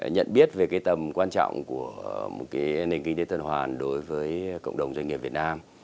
nhận biết về cái tầm quan trọng của một nền kinh tế tuần hoàn đối với cộng đồng doanh nghiệp việt nam